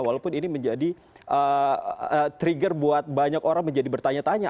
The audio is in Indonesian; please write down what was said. walaupun ini menjadi trigger buat banyak orang menjadi bertanya tanya